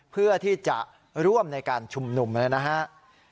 เพื่อที่จะร่วมในการชุมนุมนะครับ